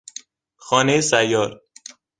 خانهی سیار